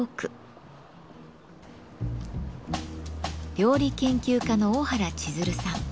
料理研究家の大原千鶴さん。